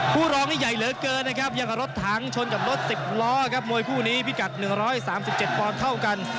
ผู้ลองใหญ่เหลือเกินนะครับยังมีรถถังชนกับรถสิบล้อครับมวยผู้นี้พิกัด๑๓๗ปอลก็เท่ากัน